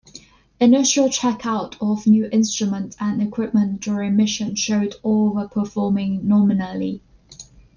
Initial checkout of new instruments and equipment during mission showed all were performing nominally.